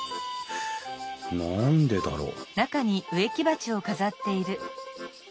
何でだろう？